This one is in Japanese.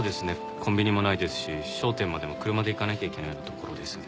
コンビニもないですし商店までも車で行かなきゃいけないような所ですね。